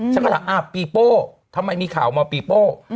ฉันก็ถามปีโป้ทำไมมีข่าวมาปีโป้